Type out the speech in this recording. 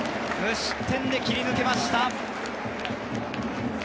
無失点で切り抜けました。